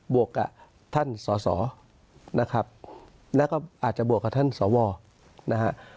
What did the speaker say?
วกกับท่านสอสอนะครับแล้วก็อาจจะบวกกับท่านสวนะฮะ